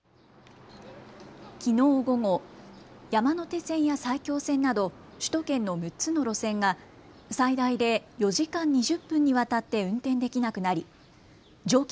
きのう午後、山手線や埼京線など首都圏の６つの路線が最大で４時間２０分にわたって運転できなくなり乗客